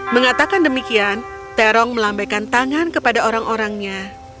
mengatakan demikian terong melambaikan tangan kepada orang orangnya